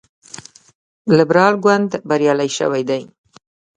لیبرال ګوند بریالی شوی دی.